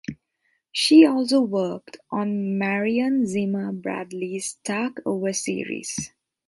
She also worked on Marion Zimmer Bradley's Darkover series.